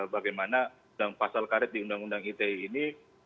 bagaimana pasal karet di undang undang ite ini